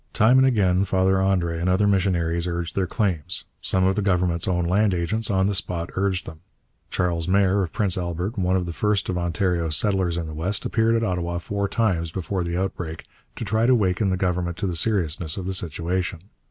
Time and again Father André and other missionaries urged their claims. Some of the Government's own land agents on the spot urged them. Charles Mair of Prince Albert, one of the first of Ontario's settlers in the West, appeared at Ottawa four times before the outbreak, to try to waken the Government to the seriousness of the situation.